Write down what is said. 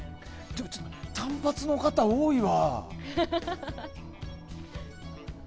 短髪の方、多いわ。